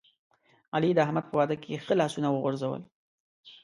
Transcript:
علی د احمد په واده کې ښه لاسونه وغورځول.